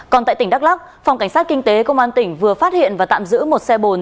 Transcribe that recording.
còn tại tỉnh đắk lắc phòng cảnh sát kinh tế công an tỉnh vừa phát hiện và tạm giữ một xe bồn